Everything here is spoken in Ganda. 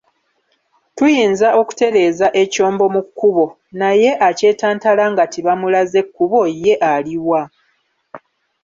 Tuyinza okutereeza ekyombo mu kkubo, naye akyetantala nga tibamulaze kkubo ye aluwa?